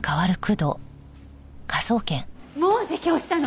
もう自供したの？